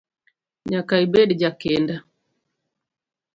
Nyaka ibed jakinda.